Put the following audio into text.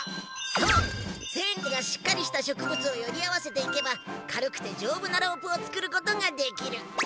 そうせんいがしっかりしたしょくぶつをよりあわせていけばかるくてじょうぶなロープをつくることができる。